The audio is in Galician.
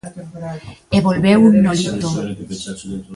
E volveu Nolito.